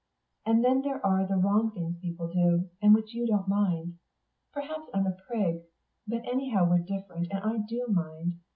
And then there are the wrong things people do, and which you don't mind. Perhaps I'm a prig, but anyhow we're different, and I do mind.